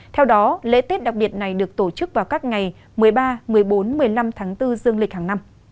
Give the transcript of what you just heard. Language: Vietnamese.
theo đó lễ tết đặc biệt này được tổ chức vào các ngày một mươi ba một mươi bốn một mươi năm tháng bốn dương lịch hàng năm